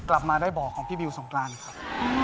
กลับมาได้บ่อของพี่บิวสงกรานครับ